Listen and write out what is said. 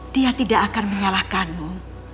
dia tidak akan menyalahkanmu